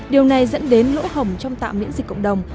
điều này dẫn đến lỗ hỏng trong tạo miễn dịch cộng đồng